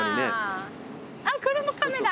あっこれも亀だ。